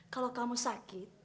kalau kamu sakit